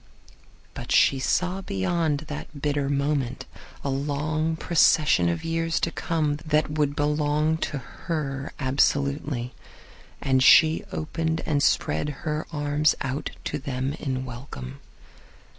But she saw beyond that bitter moment a long procession of years to come that would belong to her absolutely. And she opened and spread her arms out to them in welcome.